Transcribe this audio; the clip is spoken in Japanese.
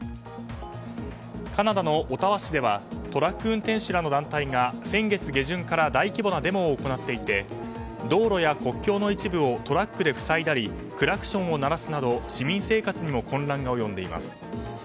カナダのオタワ市ではトラック運転手らの団体が先月下旬から大規模なデモを行っていて道路や国境の一部をトラックで塞いだりクラクションを鳴らすなど市民生活にも混乱が及んでいます。